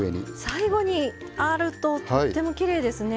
最後にあるととってもきれいですね。